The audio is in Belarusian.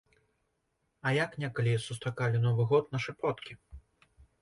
А як некалі сустракалі новы год нашы продкі?